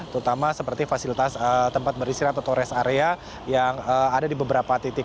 terutama seperti fasilitas tempat beristirahat atau rest area yang ada di beberapa titik